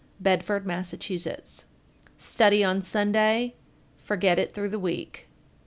Bedford, Mass. 1422. Study on Sunday, forget it through the week.